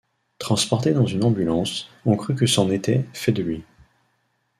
Transporté dans une ambulance, on crut que c'en était fait de lui.